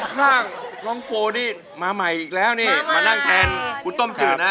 ข้างน้องโฟนี่มาใหม่อีกแล้วนี่มานั่งแทนคุณต้มจืดนะ